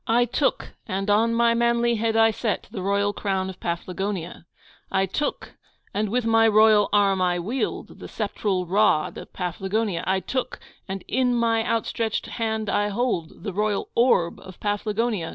I took, and on my manly head I set, the royal crown of Paflagonia; I took, and with my royal arm I wield, the sceptral rod of Paflagonia; I took, and in my outstretched hand I hold, the royal orb of Paflagonia!